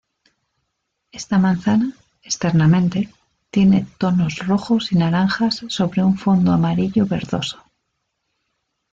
Esta manzana, externamente, tiene tonos rojos y naranjas sobre un fondo amarillo verdoso.